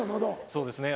そうですね